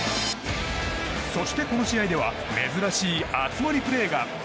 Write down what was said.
そして、この試合では珍しい熱盛プレーが。